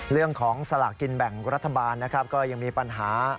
สลากกินแบ่งรัฐบาลนะครับก็ยังมีปัญหา